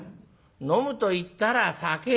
飲むと言ったら酒」。